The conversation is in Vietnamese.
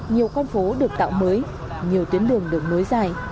nhiều con phố được tạo mới nhiều tuyến đường được nối dài